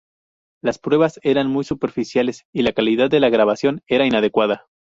Las pruebas eran muy superficiales y la calidad de la grabación era inadecuada.